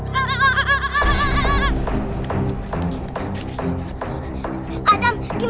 dam itu suara apa dam